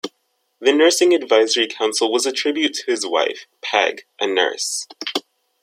The nursing advisory council was a tribute to his wife, Peg, a nurse.